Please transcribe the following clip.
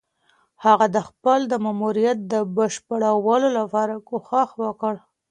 هغه د خپل ماموريت د بشپړولو لپاره کوښښ وکړ.